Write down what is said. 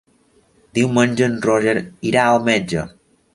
Diumenge en Roger irà al metge.